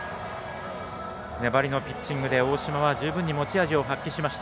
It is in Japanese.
粘りのピッチングで大嶋は十分に持ち味を発揮しました。